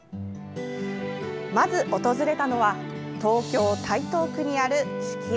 まず訪れたのは東京・台東区にある子規庵。